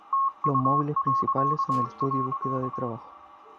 Los móviles principales son el estudio y búsqueda de trabajo.